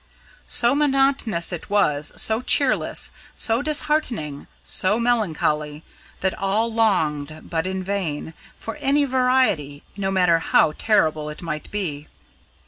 So monotonous it was, so cheerless, so disheartening, so melancholy, that all longed, but in vain, for any variety, no matter how terrible it might be.